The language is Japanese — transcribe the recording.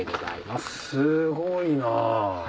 すごいな。